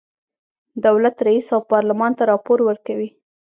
دولت رئیس او پارلمان ته راپور ورکوي.